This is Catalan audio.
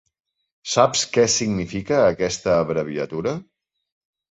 Saps què significa aquesta abreviatura?